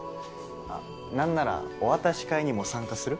あっなんならお渡し会にも参加する？